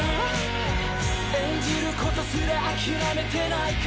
演じることすら諦めてないか？